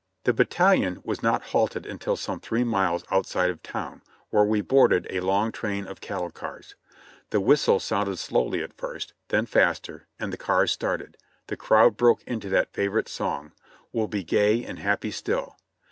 The battalion was not halted until some three miles outside of town, where we boarded a long train of cattle cars. The whistle sounded slowly at first, then faster, and the cars started ; the crowd broke into that favorite song, "We'll be gay and happy still."